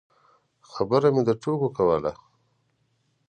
خبره مې د ټوکو کوله.